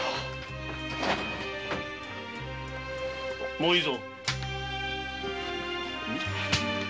もういいぞ。